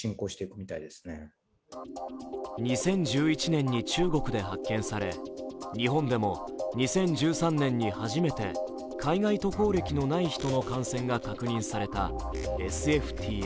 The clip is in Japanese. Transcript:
２０１１年に中国で発見され日本でも２０１３年に初めて海外渡航歴のない人の感染が確認されたＳＦＴＳ。